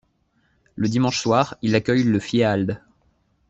Le dimanche soir, il accueille le Fieald.